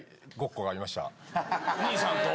兄さんと？